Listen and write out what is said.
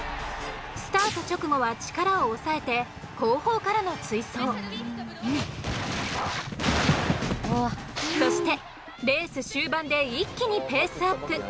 スタート直後は力を抑えてそしてレース終盤で一気にペースアップ。